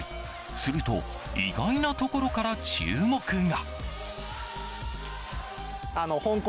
すると意外なところから注目が。